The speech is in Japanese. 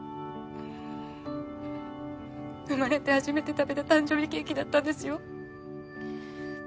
生まれて初めて食べた誕生日ケーキだったんですよ。